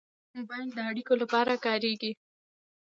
موبایل د اړیکو لپاره کارېږي.